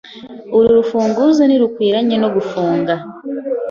Uru rufunguzo ntirukwiranye no gufunga.